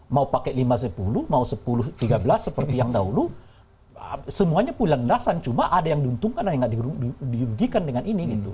mau pakai lima sepuluh mau sepuluh tiga belas seperti yang dahulu semuanya pulang dasar cuma ada yang diuntungkan ada yang nggak diujikan dengan ini gitu